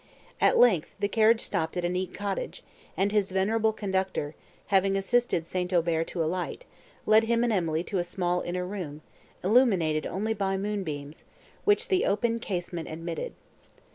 At length, the carriage stopped at a neat cottage, and his venerable conductor, having assisted St. Aubert to alight, led him and Emily to a small inner room, illuminated only by moonbeams, which the open casement admitted.